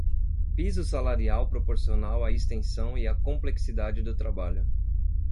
piso salarial proporcional à extensão e à complexidade do trabalho;